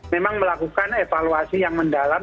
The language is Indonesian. memang melakukan evaluasi yang mendalam